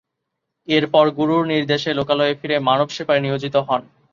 এর পর গুরুর নির্দেশে লোকালয়ে ফিরে মানবসেবায় নিয়োজিত হন।